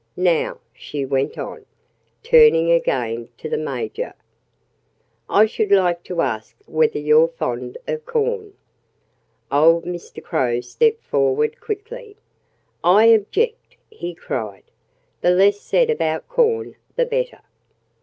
"Now," she went on, turning again to the Major, "I should like to ask whether you're fond of corn." Old Mr. Crow stepped forward quickly. "I object!" he cried. "The less said about corn, the better!"